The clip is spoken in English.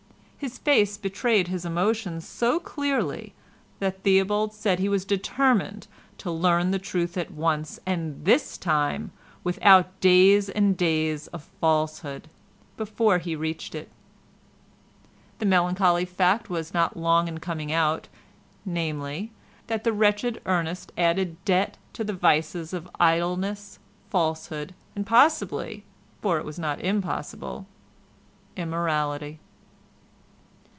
His face betrayed his emotions so clearly that Theobald said he was determined "to learn the truth at once, and this time without days and days of falsehood" before he reached it. The melancholy fact was not long in coming out, namely, that the wretched Ernest added debt to the vices of idleness, falsehood and possibly—for it was not impossible—immorality.